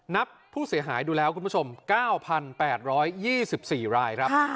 นับผู้เสียหายดูแล้วคุณผู้ชม๙๘๒๔รายครับ